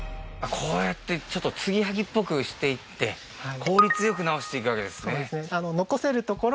こうやってちょっとつぎはぎっぽくしていって効率よく直していくわけですね